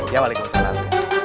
ya walaikum salam